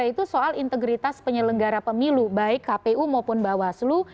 yaitu soal integritas penyelenggara pemilu baik kpu maupun bawaslu